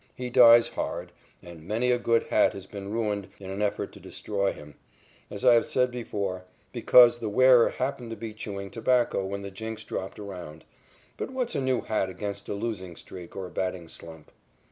He dies hard, and many a good hat has been ruined in an effort to destroy him, as I have said before, because the wearer happened to be chewing tobacco when the jinx dropped around. But what's a new hat against a losing streak or a batting slump?